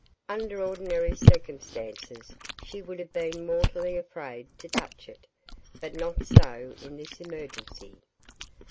Under ordinary circumstances she would have been mortally afraid to touch it, but not so in this emergency.